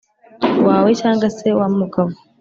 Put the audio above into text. Wawe cyangwa se wa mugabo